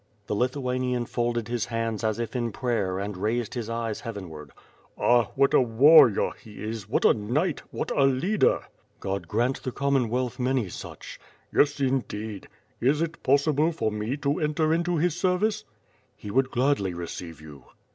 The Lithuanian folded his hands as if in prayer and raised his eyes heavenward. "Ah, what a warrior he is, what a knight, what a leaderl'' 26 WITH FIRE AND SWORD. "God grant the Commonwealth many such." "Yes, indeed! Is it possible for me to enter into his ser vice?" "He would gladly receive you."